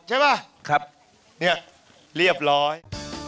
เนี่ยเรียบร้อย